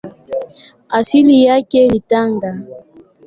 Asili yake ni Tanga.